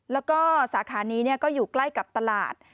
แล้วก็สาขานี้ก็อยู่ใกล้กับตลาด